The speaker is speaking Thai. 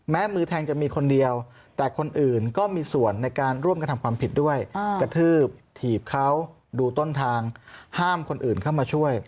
แม้มือแทงจะมีคนเดียวแต่คนอื่นก็มีส่วนในการร่วมกระทำความผิดด้วยกระทืบถีบเขาดูต้นทางห้ามคนอื่นเข้ามาช่วย